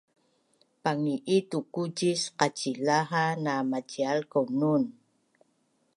Padangi’i tukucis qacilaha na macial kaunun